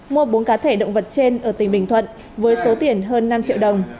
mua bốn cá thể động vật trên ở tỉnh bình thuận với số tiền hơn năm triệu đồng